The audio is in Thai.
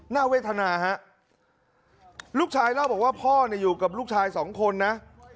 น่าเวทนาฮะลูกชายเล่าบอกว่าพ่อเนี่ยอยู่กับลูกชาย๒คนนะ